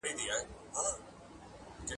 کشکي ستاسي په څېر زه هم الوتلای ,